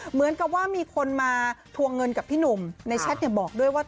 เหมือนกับว่ามีคนมาทวงเงินกับพี่หนุ่มในแชทบอกด้วยว่า